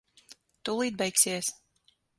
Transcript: Tūlīt beigsies.